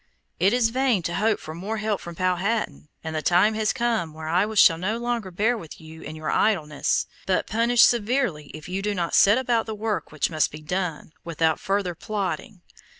It is vain to hope for more help from Powhatan, and the time has come when I will no longer bear with you in your idleness; but punish severely if you do not set about the work which must be done, without further plotting.